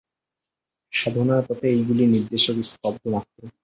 সাধনার পথে এইগুলি নির্দেশক-স্তম্ভ মাত্র।